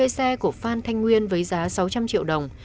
hai xe của phan thanh nguyên với giá sáu trăm linh triệu đồng